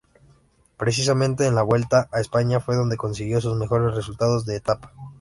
Precisamente en la Vuelta a España fue donde consiguió sus mejores resultados de etapa.